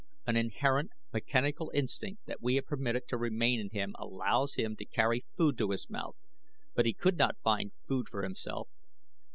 An inherent mechanical instinct that we have permitted to remain in him allows him to carry food to his mouth; but he could not find food for himself.